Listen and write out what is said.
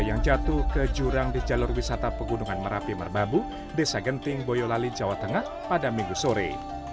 yang jatuh ke jurang di jalur wisata pegunungan merapi merbabu desa genting boyolali jawa tengah pada minggu sore